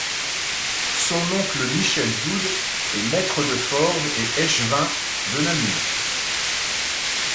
Son oncle Michel Zoude est maître de forges et échevin de Namur.